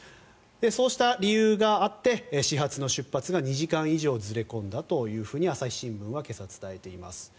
そうした理由があって始発の出発が２時間以上ずれ込んだと朝日新聞は今朝伝えています。